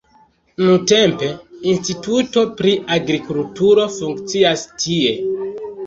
Nuntempe instituto pri agrikulturo funkcias tie.